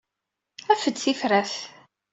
Af-d tifrat.